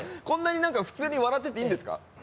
こんなに普通に笑ってていいんですか？